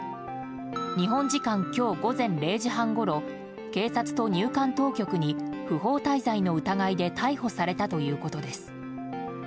日本時間今日午前０時半ごろ警察と入管当局に不法滞在の疑いで逮捕されたということです。